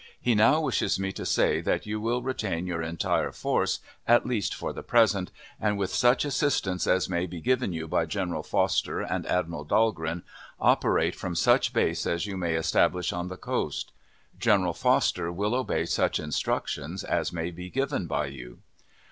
He now wishes me to say that you will retain your entire force, at least for the present, and, with such assistance as may be given you by General Foster and Admiral Dahlgren, operate from such base as you may establish on the coast. General Foster will obey such instructions as may be given by you.